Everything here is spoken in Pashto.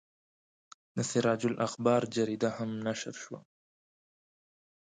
د سراج الاخبار جریده هم نشر شوه.